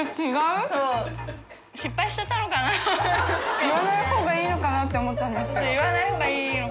複截腺邸言わない方がいいのかなって思ったんですけど。